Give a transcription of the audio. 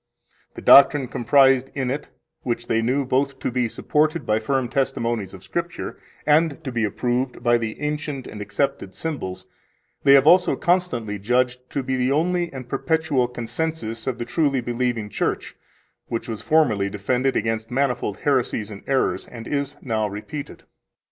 The doctrine comprised in it, which they knew both to be supported by firm testimonies of Scripture, and to be approved by the ancient and accepted symbols, they have also constantly judged to be the only and perpetual consensus of the truly believing Church, which was formerly defended against manifold heresies and errors, and is now repeated.